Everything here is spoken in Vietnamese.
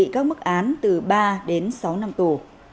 các mức án đề nghị từ ba sáu năm tù